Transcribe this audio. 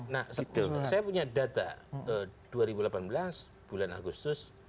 nah saya punya data dua ribu delapan belas bulan agustus